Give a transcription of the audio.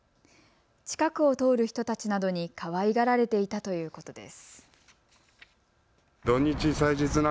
近くを通る人たちなどにかわいがられていたということです。